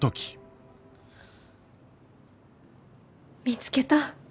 見つけた。